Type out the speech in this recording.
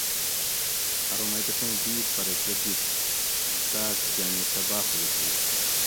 ارو مئ تسیں دِیت پرہ کہ دِیت اوں تاۤس گینڑی سہ باۤخود ھی